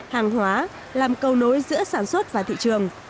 hàng hóa làm cầu nối giữa sản xuất và thị trường